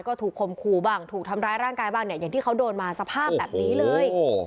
ก็ถูกคมคู่บ้างถูกทำร้ายร่างกายบ้างเนี่ยอย่างที่เขาโดนมาสภาพแบบนี้เลย